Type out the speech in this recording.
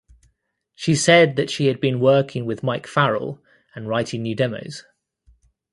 She said that she had been working with Mike Farrell and writing new demos.